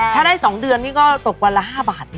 ถ้าได้๒เดือนนี่ก็ตกวันละ๕บาท